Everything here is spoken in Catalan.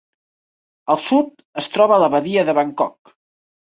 Al sud, es troba la badia de Bangkok.